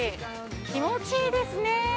気持ちいいですね。